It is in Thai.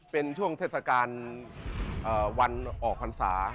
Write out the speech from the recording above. เป็นช่วงเทศกาลวันออกพรรษา